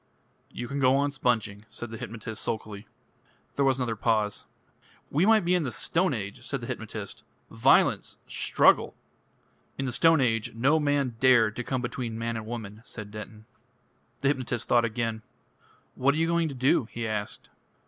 "You can go on sponging," said the hypnotist sulkily. There was another pause. "We might be in the Stone Age," said the hypnotist. "Violence! Struggle!" "In the Stone Age no man dared to come between man and woman," said Denton. The hypnotist thought again. "What are you going to do?" he asked.